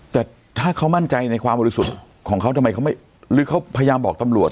แต่ถ้าเขามั่นใจในความบริสุทธิ์ของเขาทำไมเขาไม่หรือเขาพยายามบอกตำรวจ